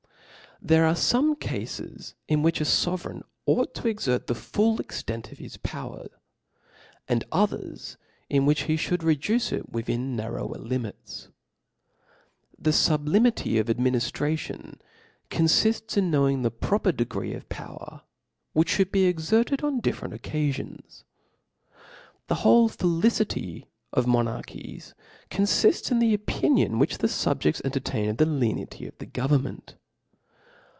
There are fome cafes in which a Sovereign ought to exert the full extent of his power \ and others in which he Ihould rcducte it within narrower limits. The fubhmity of adminiftration conftfta in know ing UkelUs. O F L AW S. 299 ing the proper degree of power» which (hould be Book exerted on difoent occafions. Cliap"ii* The whole felicity of monarchies confifts in the opinion which the fubjefts. entertain of the lenity of the govemtnent.